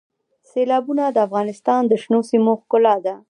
سیلابونه د افغانستان د شنو سیمو ښکلا ده.